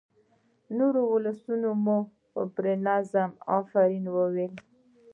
نور ولسونه مو پر نظم آفرین ووايي.